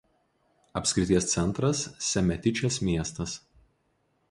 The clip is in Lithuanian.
Apskrities centras Semiatičės miestas.